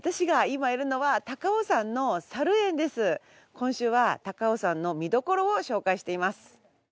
今週は高尾山の見どころを紹介しています。